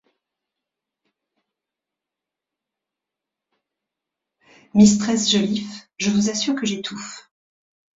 Mistress Joliffe, je vous assure que j’étouffe!